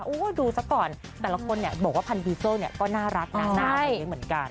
อู้วดูสักก่อนแต่ละคนเนี่ยบอกว่าพันธุ์บีเซอร์เนี่ยก็น่ารักนะน่าจะเลี้ยงเหมือนกัน